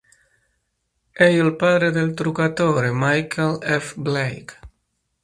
È il padre del truccatore Michael F. Blake.